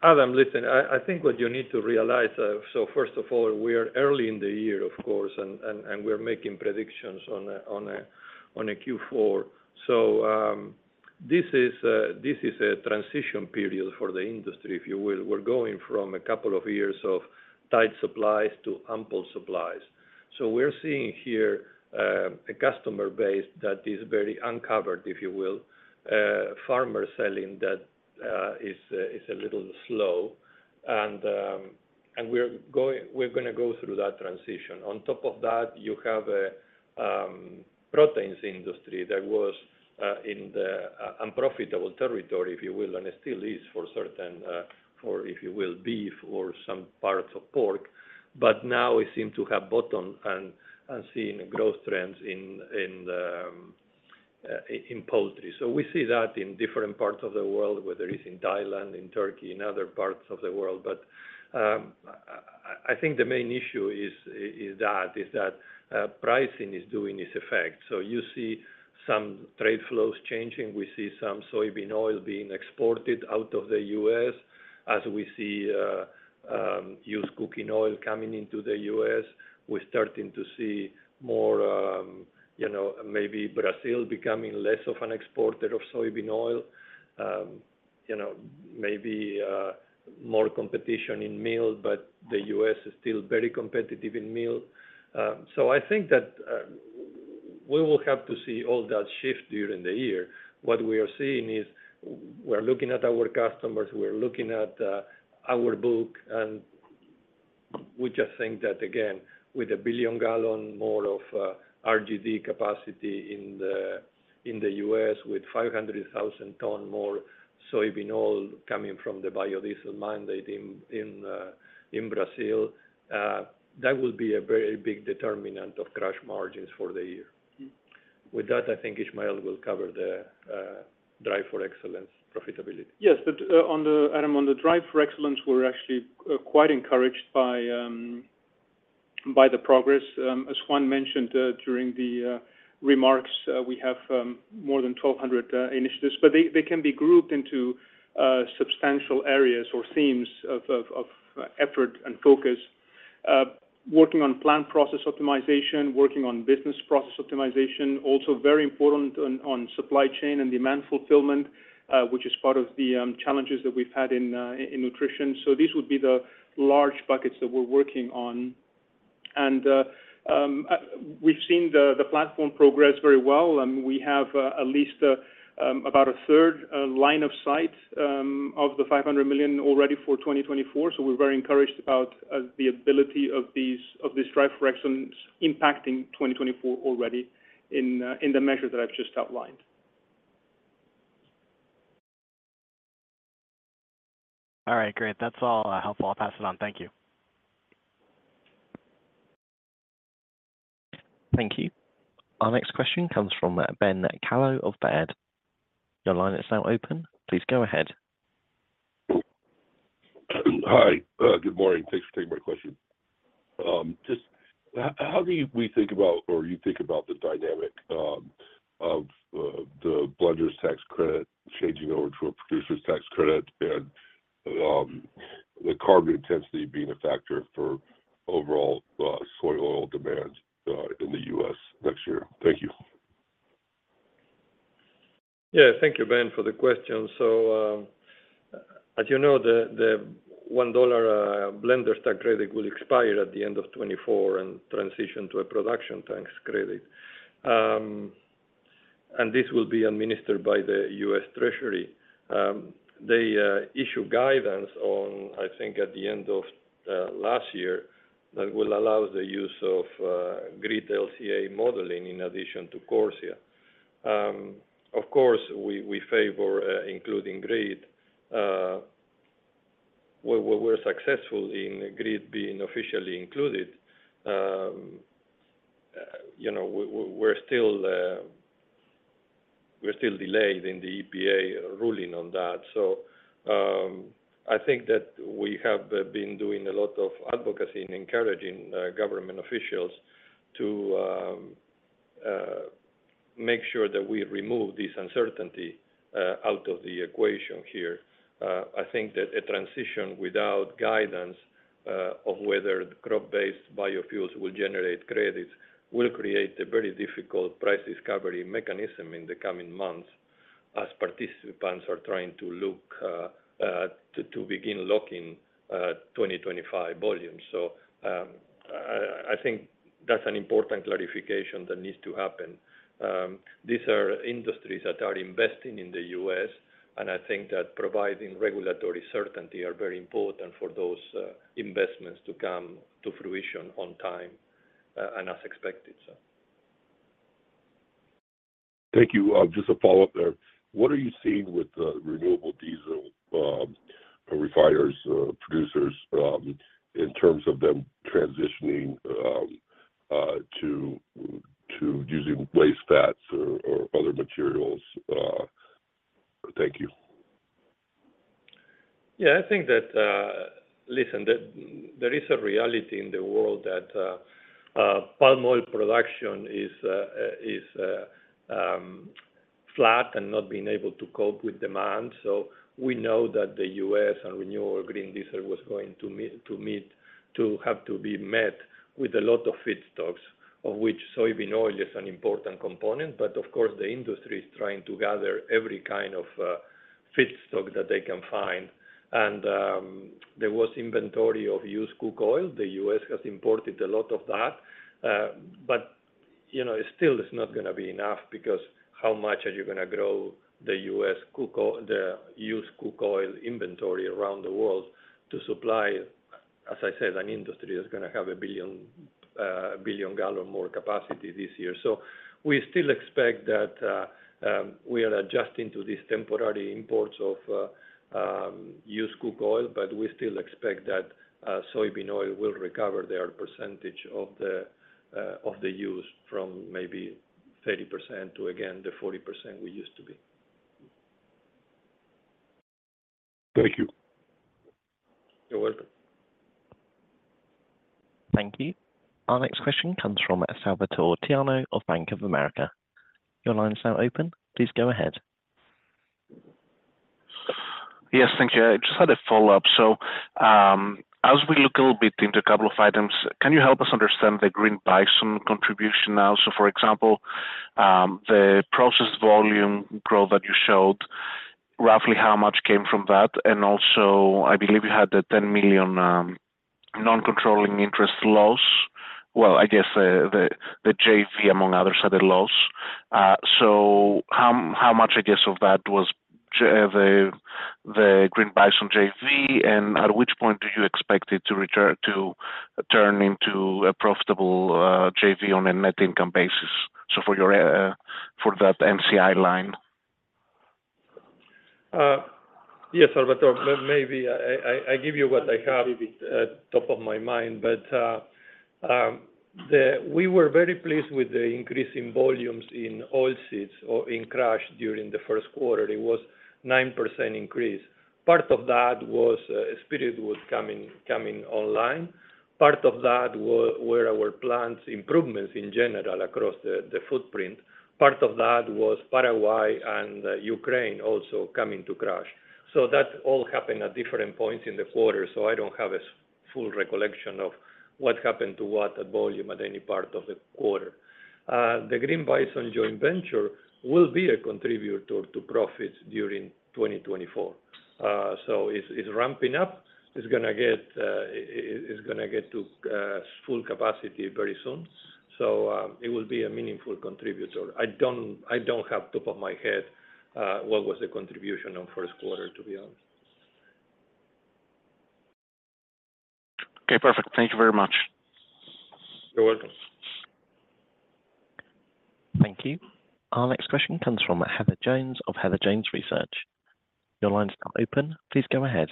Adam, listen, I think what you need to realize, so first of all, we are early in the year, of course, and we're making predictions on a Q4. So, this is a transition period for the industry, if you will. We're going from a couple of years of tight supplies to ample supplies. So we're seeing here a customer base that is very uncovered, if you will. Farmers selling that is a little slow, and we're going, we're gonna go through that transition. On top of that, you have a proteins industry that was in the unprofitable territory, if you will, and it still is for certain, for if you will, beef or some parts of pork. But now we seem to have bottom and seeing growth trends in poultry. So we see that in different parts of the world, whether it's in Thailand, in Turkey, in other parts of the world. But I think the main issue is that pricing is doing its effect. So you see some trade flows changing. We see some soybean oil being exported out of the U.S., as we see used cooking oil coming into the U.S. We're starting to see more, you know, maybe Brazil becoming less of an exporter of soybean oil. You know, maybe more competition in meal, but the U.S. is still very competitive in meal. So I think that we will have to see all that shift during the year. What we are seeing is we're looking at our customers, we're looking at our book, and we just think that, again, with 1 billion gallon more of RD capacity in the, in the U.S., with 500,000 ton more soybean oil coming from the biodiesel mandate in, in, in Brazil, that will be a very big determinant of crush margins for the year. With that, I think Ismael will cover the Drive for Excellence, profitability.
Yes, but on the... Adam, on the Drive for Excellence, we're actually quite encouraged by the progress. As Juan mentioned during the remarks, we have more than 1,200 initiatives. But they can be grouped into substantial areas or themes of effort and focus....
working on plan process optimization, working on business process optimization, also very important on supply chain and demand fulfillment, which is part of the challenges that we've had in nutrition. So these would be the large buckets that we're working on. And we've seen the platform progress very well, and we have at least about a third line of sight of the $500 million already for 2024. So we're very encouraged about the ability of these, of this Drive for Excellence impacting 2024 already in the measures that I've just outlined.
All right, great. That's all, helpful. I'll pass it on. Thank you.
Thank you. Our next question comes from Ben Kallo of Baird. Your line is now open. Please go ahead.
Hi, good morning. Thanks for taking my question. Just how do you think about the dynamic of the blenders tax credit changing over to a producer's tax credit and the carbon intensity being a factor for overall soy oil demand in the US next year? Thank you.
Yeah. Thank you, Ben, for the question. So, as you know, the $1 blender tax credit will expire at the end of 2024 and transition to a production tax credit. And this will be administered by the U.S. Treasury. They issue guidance on, I think, at the end of last year, that will allow the use of GREET LCA modeling in addition to CORSIA. Of course, we favor including GREET. We were successful in GREET being officially included. You know, we're still delayed in the EPA ruling on that. So, I think that we have been doing a lot of advocacy and encouraging government officials to make sure that we remove this uncertainty out of the equation here. I think that a transition without guidance of whether crop-based biofuels will generate credits will create a very difficult price discovery mechanism in the coming months as participants are trying to look to begin locking 2025 volumes. So, I think that's an important clarification that needs to happen. These are industries that are investing in the US, and I think that providing regulatory certainty are very important for those investments to come to fruition on time and as expected, so.
Thank you. Just a follow-up there. What are you seeing with the renewable diesel refiners producers in terms of them transitioning to using waste fats or other materials? Thank you.
Yeah, I think that, listen, there is a reality in the world that palm oil production is flat and not being able to cope with demand. So we know that the U.S. and renewable green diesel was going to meet, to meet, to have to be met with a lot of feedstocks, of which soybean oil is an important component. But of course, the industry is trying to gather every kind of feedstock that they can find. And there was inventory of used cooking oil. The US has imported a lot of that, but, you know, it still is not gonna be enough because how much are you gonna grow theused cooking oil, the used cooking oil inventory around the world to supply, as I said, an industry is gonna have 1 billion gallons more capacity this year. So we still expect that we are adjusting to these temporary imports of used cooking oil, but we still expect that soybean oil will recover their percentage of the use from maybe 30% to, again, the 40% we used to be.
Thank you.
You're welcome.
Thank you. Our next question comes from Salvatore Tiano of Bank of America. Your line is now open. Please go ahead.
Yes, thank you. I just had a follow-up. So, as we look a little bit into a couple of items, can you help us understand the Green Bison contribution now? So for example, the process volume growth that you showed, roughly how much came from that? And also, I believe you had the $10 million non-controlling interest loss. Well, I guess, the JV, among others, had a loss. So how, how much, I guess, of that was the Green Bison JV, and at which point do you expect it to return, to turn into a profitable JV on a net income basis, so for your, for that NCI line?
Yes, Salvatore, maybe I give you what I have at top of my mind, but the... We were very pleased with the increase in volumes in oilseeds or in crush during the first quarter. It was 9% increase. Part of that was Spiritwood coming online. Part of that were our plants improvements in general across the footprint. Part of that was Paraguay and Ukraine also coming to crush. So that all happened at different points in the quarter, so I don't have a full recollection of what happened to what, the volume at any part of the quarter. The Green Bison joint venture will be a contributor to profits during 2024. So it's ramping up. It's gonna get to full capacity very soon, so it will be a meaningful contributor. I don't have, off the top of my head, what was the contribution in the first quarter, to be honest.
Okay, perfect. Thank you very much.
You're welcome.
Thank you. Our next question comes from Heather Jones of Heather Jones Research. Your line is now open. Please go ahead.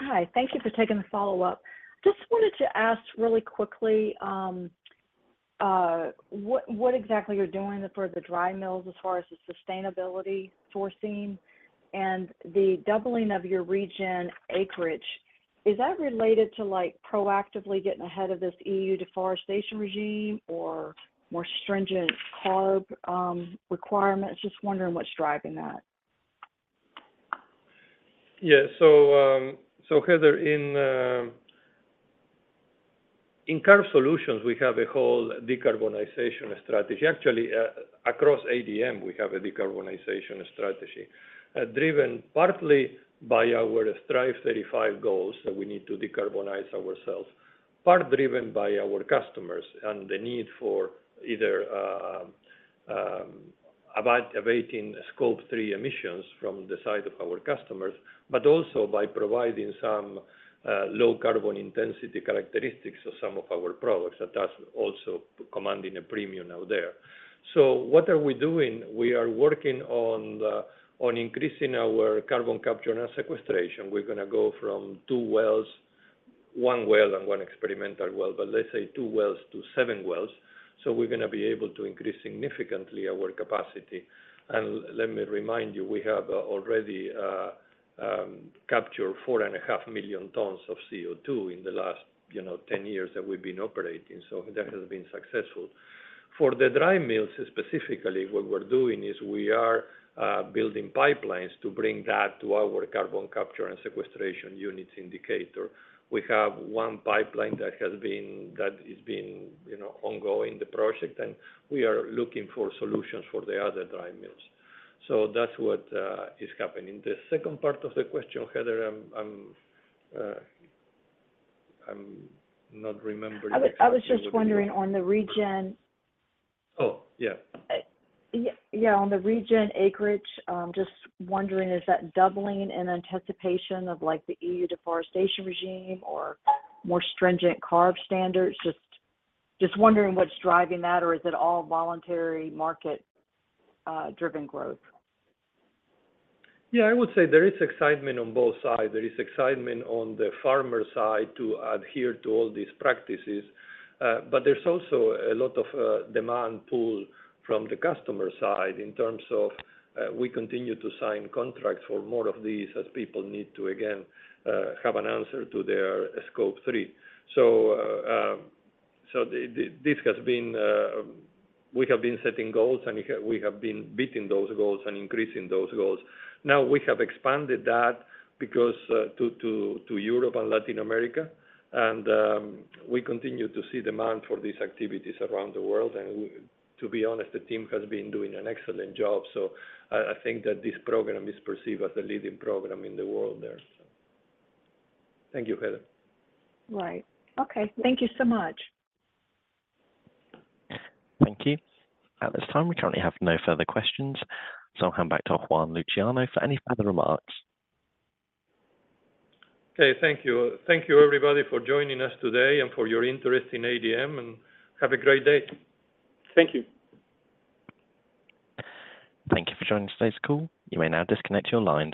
Hi. Thank you for taking the follow-up. Just wanted to ask really quickly, what exactly you're doing for the dry mills as far as the sustainability sourcing and the doubling of your regen acreage, is that related to, like, proactively getting ahead of this EU deforestation regime or more stringent CARB requirements? Just wondering what's driving that.
Yeah. So, Heather, in Carbohydrate Solutions, we have a whole decarbonization strategy. Actually, across ADM, we have a decarbonization strategy, driven partly by our Strive 35 goals, that we need to decarbonize ourselves, part driven by our customers and the need for either about abating Scope 3 emissions from the side of our customers, but also by providing some low carbon intensity characteristics of some of our products, that's also commanding a premium out there. So what are we doing? We are working on increasing our carbon capture and sequestration. We're gonna go from 2 wells... one well and one experimental well, but let's say 2 wells to 7 wells. So we're gonna be able to increase significantly our capacity. Let me remind you, we have already captured 4.5 million tons of CO2 in the last, you know, 10 years that we've been operating, so that has been successful. For the dry mills, specifically, what we're doing is we are building pipelines to bring that to our carbon capture and sequestration units in Decatur. We have one pipeline that has been, that is being, you know, ongoing, the project, and we are looking for solutions for the other dry mills. So that's what is happening. The second part of the question, Heather, I'm not remembering-
I was just wondering on the regen-
Oh, yeah.
Yeah, on the regen acreage, just wondering, is that doubling in anticipation of, like, the EU deforestation regime or more stringent CARB standards? Just wondering what's driving that, or is it all voluntary market, driven growth?
Yeah, I would say there is excitement on both sides. There is excitement on the farmer side to adhere to all these practices, but there's also a lot of demand pull from the customer side in terms of we continue to sign contracts for more of these as people need to, again, have an answer to their Scope 3. So, this has been we have been setting goals, and we have been beating those goals and increasing those goals. Now, we have expanded that because to Europe and Latin America, and we continue to see demand for these activities around the world. And to be honest, the team has been doing an excellent job, so I think that this program is perceived as the leading program in the world there. Thank you, Heather.
Right. Okay. Thank you so much.
Thank you. At this time, we currently have no further questions, so I'll hand back to Juan Luciano for any further remarks.
Okay. Thank you. Thank you, everybody, for joining us today and for your interest in ADM, and have a great day.
Thank you.
Thank you for joining today's call. You may now disconnect your lines.